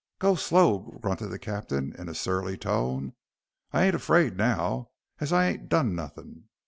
"Go slow," grunted the captain, in a surly tone. "I ain't afraid now, as I ain't done nothing.